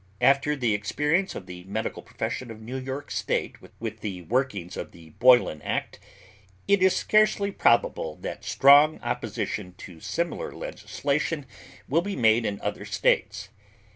After the experience of the medical profession of New York State with the workings of the Boylan Act, it is scarcely probable that strong opposition to similar legislation will be made in other States.